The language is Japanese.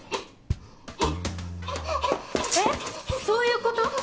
そういうこと？